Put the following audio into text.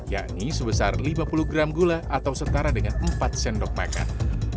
yakni sebesar lima puluh gram gula atau setara dengan empat sendok makan